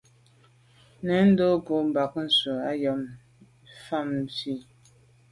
Nèn ndo’ ngo’ bàn nzwi am nse’ mfà yi.